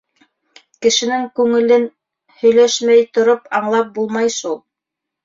Кешенең күңелен һөйләшмәй тороп аңлап булмай шул.